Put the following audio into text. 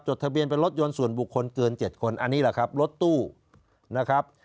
ทะเบียนเป็นรถยนต์ส่วนบุคคลเกิน๗คนอันนี้แหละครับรถตู้นะครับ